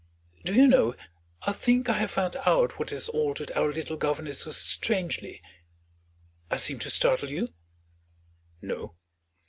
Do you know, I think I have found out what has altered our little governess so strangely I seem to startle you?" "No."